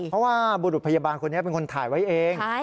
เพราะว่าบุรุษพยาบาลคนนี้เป็นคนถ่ายไว้เอง